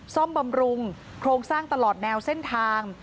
ซ่อมบำรุงโครงสร้างตลอดแนวเส้นทาง